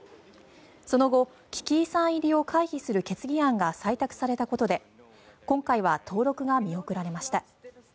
その後、危機遺産入りを回避する決議案が採択されたことで今回は登録が見送られました。